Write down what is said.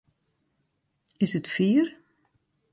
Is it fier?